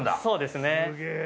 そうですね。